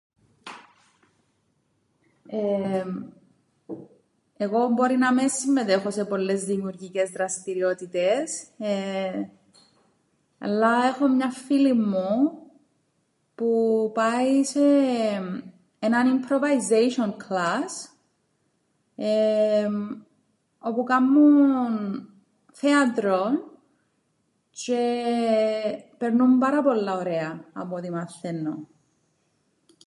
Εγώ μπορεί να μεν συμμετέχω σε πολλές δημιουργικές δραστηριότητες αλλά έχω μιαν φίλην μου που πάει σε έναν improvisation class, όπου κάμμουν θέατρον τζ̆αι περνούν πάρα πολλά ωραία απ' ό,τι μαθαίννω.